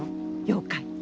妖怪。